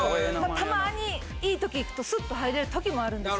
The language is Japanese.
たまにいい時行くとスッと入れる時もあるんです。